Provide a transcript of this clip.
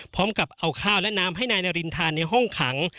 พร้อมกับเอาข้าวและน้ำให้นายนารินทานในห้องขัง